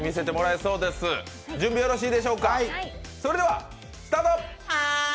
それでは、スタート！